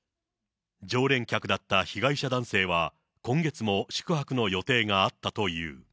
常連客だった被害者男性は、今月も宿泊の予定があったという。